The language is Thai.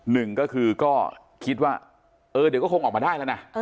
หนึ่งก็คือก็คิดว่าเออเดี๋ยวก็คงออกมาได้แล้วนะ